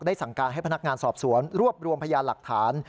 สั่งการให้พนักงานสอบสวนรวบรวมพยานหลักฐาน